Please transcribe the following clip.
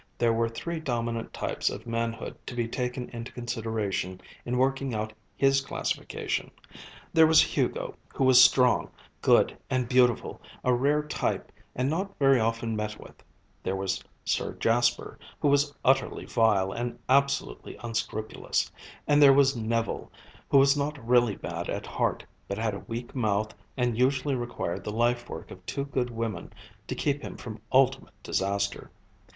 There were three dominant types of manhood to be taken into consideration in working out his classification; there was Hugo, who was strong, good, and beautiful, a rare type and not very often met with; there was Sir Jasper, who was utterly vile and absolutely unscrupulous, and there was Nevil, who was not really bad at heart, but had a weak mouth and usually required the life work of two good women to keep him from ultimate disaster.